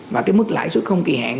và cái mức lãi suất không kỳ hạn